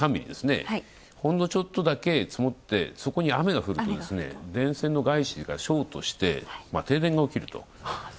ほんのちょっとだけ積もって、そこに雨が降ると、電線がショートして停電が起きると。